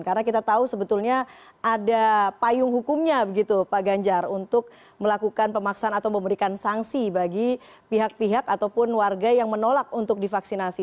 karena kita tahu sebetulnya ada payung hukumnya pak ganjar untuk melakukan pemaksaan atau memberikan sanksi bagi pihak pihak ataupun warga yang menolak untuk divaksinasi